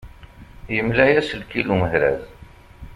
Yemmela-yas lkil umehraz.